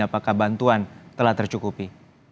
apakah bantuan telah tercukupi